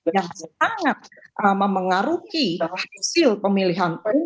yang sangat memengaruhi hasil pemilihan